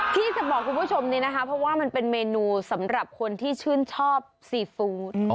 ที่จะบอกคุณผู้ชมนี้นะคะเพราะว่ามันเป็นเมนูสำหรับคนที่ชื่นชอบซีฟู้ด